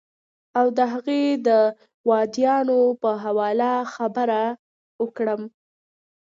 او د هغې د دوايانو پۀ حواله خبره اوکړم